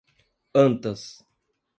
Antas